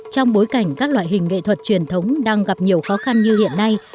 trong bối cảnh các loại hình nghệ thuật truyền thống đang gặp nhiều khó khăn như hiện nay